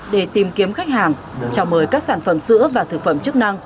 để tìm kiếm khách hàng chào mời các sản phẩm sữa và thực phẩm chức năng